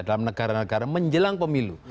dalam negara negara menjelang pemilu